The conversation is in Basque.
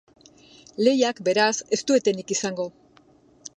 Lehiak, beraz, ez du etenik izango.